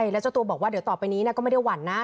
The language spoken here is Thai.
แล้วเจ้าตัวบอกว่าเดี๋ยวต่อไปนี้ก็ไม่ได้หวั่นนะ